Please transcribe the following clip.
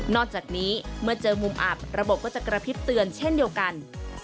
จากนี้เมื่อเจอมุมอับระบบก็จะกระพริบเตือนเช่นเดียวกัน